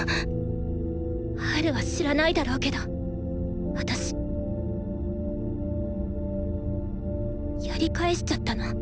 ハルは知らないだろうけど私やり返しちゃったの。